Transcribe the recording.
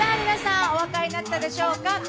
皆さんお分かりになったでしょうか？